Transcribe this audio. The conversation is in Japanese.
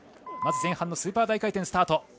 前半のスーパー大回転スタート。